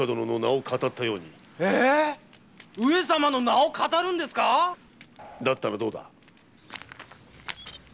えー⁉上様の名を騙るんですか⁉だったらどうだ？